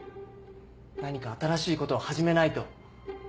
何か新しいことを始めないと。